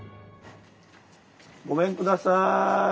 ごめんください。